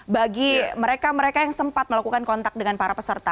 bagi mereka mereka yang sempat melakukan kontak dengan para peserta